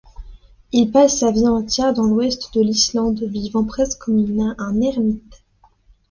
Il passe sa vie entière dans l'ouest de l'Islande, vivant presque comme un ermite.